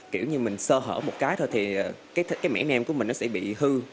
kiểu như mình sơ hở một cái thôi thì cái mẻ nem của mình nó sẽ bị hư